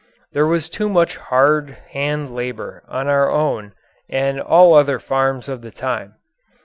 There was too much hard hand labour on our own and all other farms of the time.